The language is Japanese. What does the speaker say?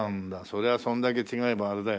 そりゃそんだけ違えばあれだよね。